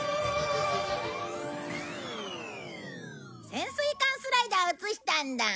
潜水艦スライドを映したんだ。